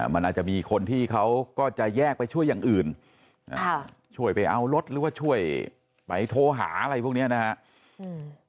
มันอาจจะมีคนที่เขาก็จะแยกไปช่วยอย่างอื่นช่วยไปเอารถหรือว่าช่วยไปโทรหาอะไรพวกนี้นะครับ